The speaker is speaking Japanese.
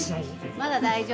まだ大丈夫。